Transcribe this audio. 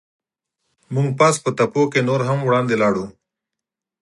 موږ پاس په تپو کې نور هم وړاندې ولاړو.